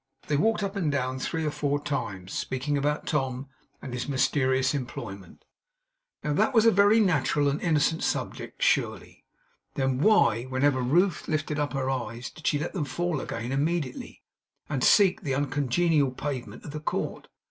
They walked up and down three or four times, speaking about Tom and his mysterious employment. Now that was a very natural and innocent subject, surely. Then why, whenever Ruth lifted up her eyes, did she let them fall again immediately, and seek the uncongenial pavement of the court?